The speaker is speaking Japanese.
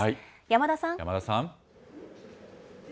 山田さん。